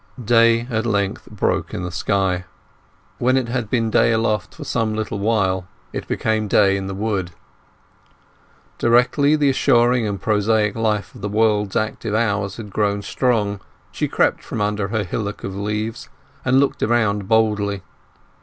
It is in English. Day at length broke in the sky. When it had been day aloft for some little while it became day in the wood. Directly the assuring and prosaic light of the world's active hours had grown strong, she crept from under her hillock of leaves, and looked around boldly.